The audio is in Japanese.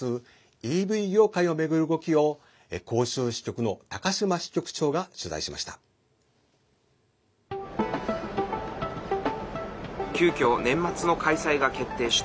ＥＶ業界を巡る動きを広州支局の高島支局長が取材しました。